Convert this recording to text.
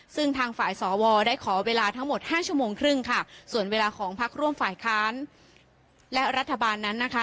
ซึ่งทางฝ่ายสวได้ขอเวลาทั้งหมดห้าชั่วโมงครึ่งค่ะส่วนเวลาของพักร่วมฝ่ายค้านและรัฐบาลนั้นนะคะ